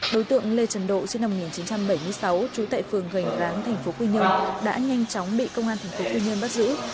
đối tượng lê trần độ sinh năm một nghìn chín trăm bảy mươi sáu trú tại phường gành ráng thành phố quy nhơn đã nhanh chóng bị công an thành phố quy nhơn bắt giữ